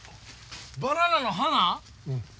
バナナの花！？